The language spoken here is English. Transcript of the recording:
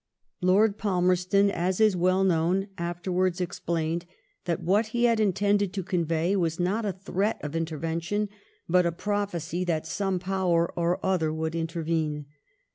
Lord Palmerston, as is well known, afterwards ex plained that what he had intended to convey was not a threat of intervention, hut a prophecy that some Power or other would intervene.